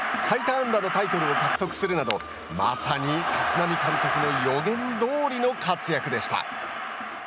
安打のタイトルを獲得するなどまさに立浪監督の予言どおりの活躍でした。